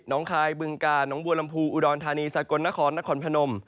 คายบึงกาลน้องบัวลำพูอุดรธานีสกลนครนครพนม